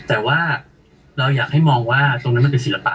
แต่ว่าเราอยากให้มองว่าตรงนั้นมันเป็นศิลปะ